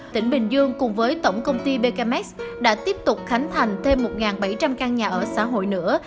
tỉnh bình dương cùng với tổng công ty becamex đã tiếp tục khánh thành thêm một bảy trăm linh căn nhà ở xã hội nữa